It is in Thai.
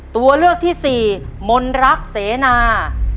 ตัวเลือกที่สี่มนรักเสนา